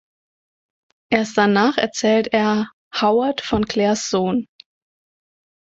Erst danach erzählt er Howard von Claires Sohn.